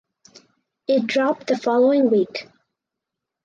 It dropped the following week.